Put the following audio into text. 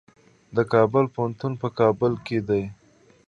د کابل پوهنتون په کابل کې دی